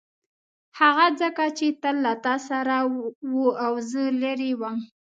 هغه ځکه چې تل له تا سره و او زه لیرې وم.